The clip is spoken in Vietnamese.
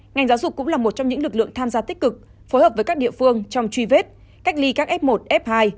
ngành giáo dục cũng là một trong những lực lượng tham gia tích cực phối hợp với các địa phương trong truy vết cách ly các f một f hai